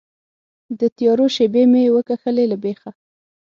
د تیارو شیبې مې وکښلې له بیخه